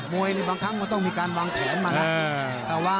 มวยิบางครั้งก็จะมีการวางแผนมา